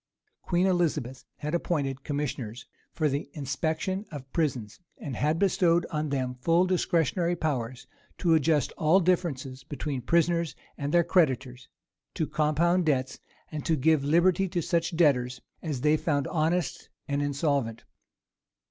Queen Elizabeth had appointed commissioners for the inspection of prisons, and had bestowed on them full discretionary powers to adjust all differences between prisoners and their creditors, to compound debts, and to give liberty to such debtors as they found honest and insolvent.